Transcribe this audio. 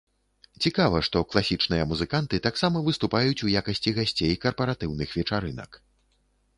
Цікава, што класічныя музыканты таксама выступаюць у якасці гасцей карпаратыўных вечарынак.